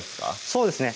そうですね